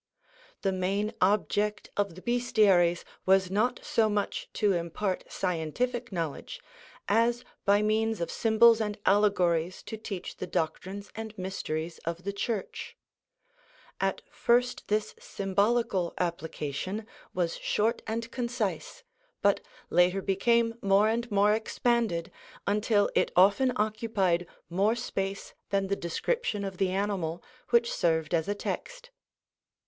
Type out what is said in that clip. The main object of the Bestiaries was not so much to impart scientific knowledge, as by means of symbols and allegories to teach the doctrines and mysteries of the Church: At first this symbolical application was short and concise, but later became more and more expanded, until it often occupied more space than the description of the animal which served as a text.